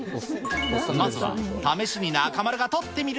まずは試しに中丸が撮ってみる。